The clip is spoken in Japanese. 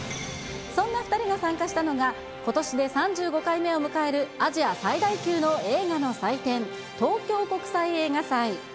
そんな２人が参加したのが、ことしで３５回目を迎えるアジア最大級の映画の祭典、東京国際映画祭。